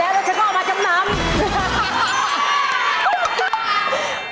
แล้วจะก็ออกมาจำนำ